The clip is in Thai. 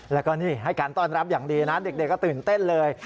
แล้วก็นี่ให้การต้อนรับอย่างดีนะเด็กก็ตื่นเต้นเลย